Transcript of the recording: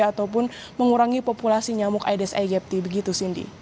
ataupun mengurangi populasi nyamuk aedes aegypti begitu cindy